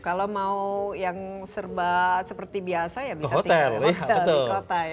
kalau mau yang serba seperti biasa ya bisa tinggal di kota ya